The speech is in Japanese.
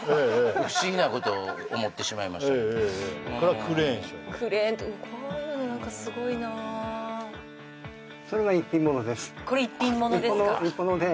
不思議なことを思ってしまいましたけどこれはクレーン車こういうの何かスゴいなあそれは一品ものです